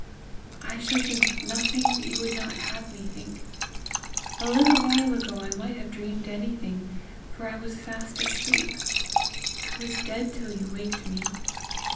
"I shall think nothing you would not have me think. A little while ago I might have dreamed anything, for I was fast asleep. I was dead till you waked me.